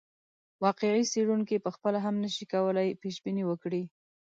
واقعي څېړونکی پخپله هم نه شي کولای پیشبیني وکړي.